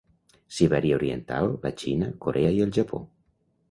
Sibèria oriental, la Xina, Corea i el Japó.